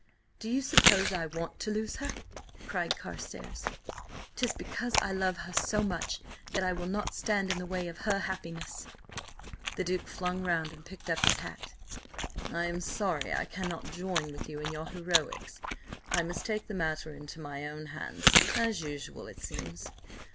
"Do you suppose I want to lose her?" cried Carstares. "'Tis because I love her so much that I will not stand in the way of her happiness!" The Duke flung round and picked up his hat. "I am sorry I cannot join with you in your heroics. I must take the matter into my own hands, as usual, it seems.